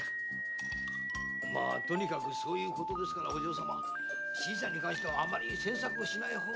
まあとにかくそういうことですから新さんに関してはあまり詮索をしない方が。